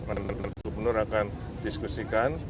bapak gubernur akan diskusikan